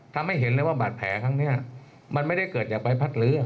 ทำให้เห็นเลยว่าบาดแผลครั้งนี้มันไม่ได้เกิดจากใบพัดเรือ